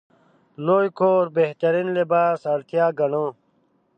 لوی کور بهترین لباس اړتیا ګڼو.